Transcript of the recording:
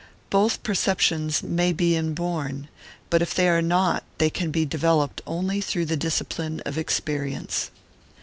Both perceptions may be inborn, but if they are not they can be developed only through the discipline of experience.